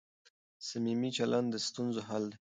صميمي چلند د ستونزو حل دی.